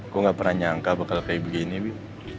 gue gak pernah nyangka bakal kayak begini bib